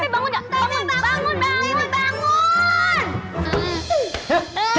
bangun bangun bangun bangun